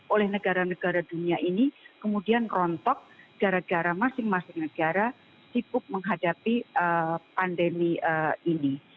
oleh negara negara dunia ini kemudian rontok gara gara masing masing negara sibuk menghadapi pandemi ini